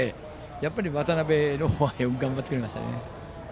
やっぱり渡邉の方がよく頑張ってくれました。